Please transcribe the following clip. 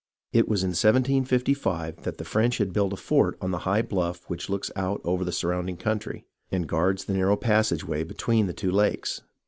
It was in 1755 that the French had built a fort on the high bluff which looks out over the surrounding country, and guards the narrow passageway between the two lakes.